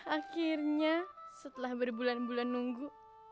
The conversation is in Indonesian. akhirnya setelah berbulan bulan nunggu